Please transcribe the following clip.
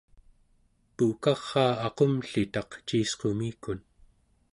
puukaraa aqumllitaq ciisqumikun